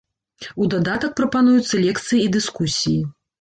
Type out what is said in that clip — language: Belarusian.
У дадатак прапануюцца лекцыі і дыскусіі.